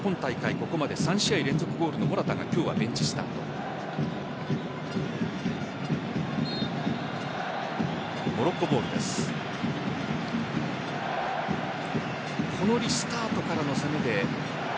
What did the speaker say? ここまで３試合連続ゴールのモラタが今日はベンチスタート。